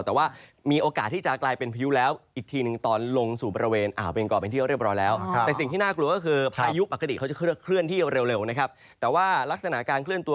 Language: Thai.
แต่ว่ามีโอกาสที่จะกลายเป็นพายุแล้วอีกทีหนึ่งตอนลงสู่ประเวณอาเวียงเกาะเป็นที่เรียบร้อยแล้ว